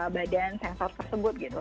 badan sensor tersebut gitu